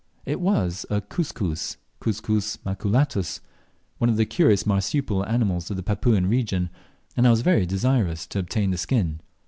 It was a Cuscus (C. maculatus), one of the curious marsupial animals of the Papuan region, and I was very desirous to obtain the skin.